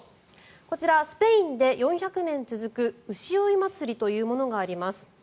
こちら、スペインで４００年続く牛追い祭りというものがあります。